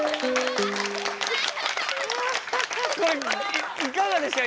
これいかがですか？